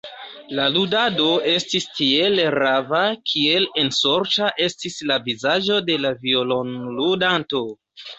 La ludado estis tiel rava, kiel ensorĉa estis la vizaĝo de la violonludanto.